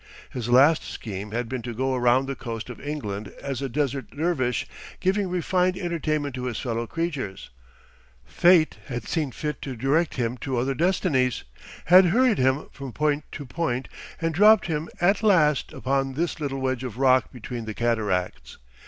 His last scheme had been to go round the coast of England as a Desert Dervish giving refined entertainment to his fellow creatures. Fate had quashed that. Fate had seen fit to direct him to other destinies, had hurried him from point to point, and dropped him at last upon this little wedge of rock between the cataracts.